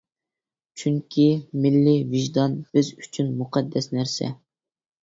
چۈنكى، مىللىي ۋىجدان بىز ئۈچۈن مۇقەددەس نەرسە!